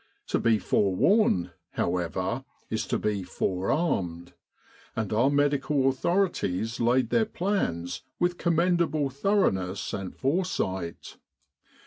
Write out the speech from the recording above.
To be forewarned, however, is to be forearmed; and our medical authorities laid their 103 With the R.A.M.C. in Egypt plans with commendable thoroughness and foresight.